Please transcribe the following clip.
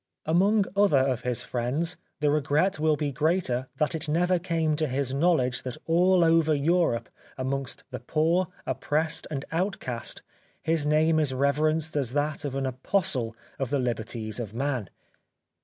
Amongst other of his friends the regret will be greater that it never came to his knowledge that all over Europe amongst the poor, oppressed and outcast, his name is rever enced as that of an apostle of the liberties of man.